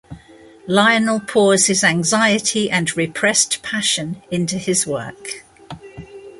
Lionel pours his anxiety and repressed passion into his work.